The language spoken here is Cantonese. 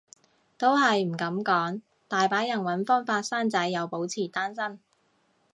都唔係噉講，大把人搵方法生仔又保持單身